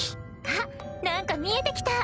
あっ何か見えて来た。